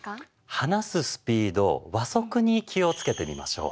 話すスピード「話速」に気をつけてみましょう。